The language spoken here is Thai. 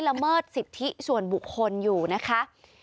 ละเมิดสิทธิส่วนบุคคลอยู่นะคะ